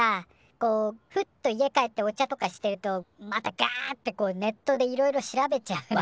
こうふっと家帰ってお茶とかしてるとまたガってこうネットでいろいろ調べちゃうのよ。